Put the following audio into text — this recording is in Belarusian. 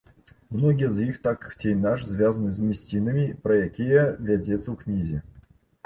Многія з іх так ці інакш звязаны з мясцінамі, пра якія вядзецца ў кнізе.